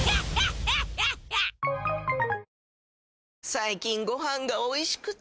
最近ご飯がおいしくて！